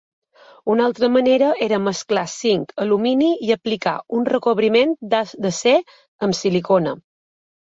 Una altra manera era mesclar zinc, alumini i aplicar un recobriment d'acer amb silicona.